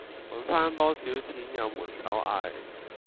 搵番多少錢有門手藝